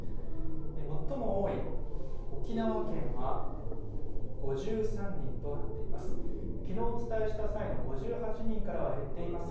最も多い沖縄県は５３人となっています。